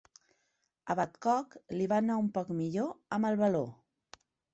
A Badcock, li va anar un poc millor amb el baló.